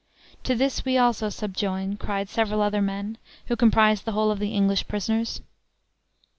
"To this we also subjoin!" cried several other men, who comprised the whole of the English prisoners.